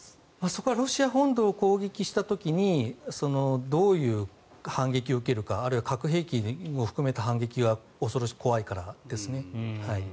そこはロシア本土を攻撃した時にどういう反撃を受けるかあるいは核兵器を含めた反撃が怖いからですね。